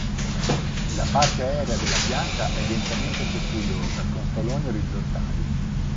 La parte aerea della pianta è densamente cespugliosa con stoloni orizzontali.